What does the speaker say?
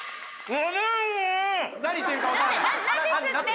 何言ってるか分かんない何て？